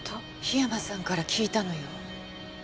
桧山さんから聞いたのよ。